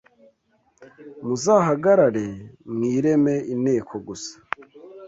muzahagarare mwireme inteko gusa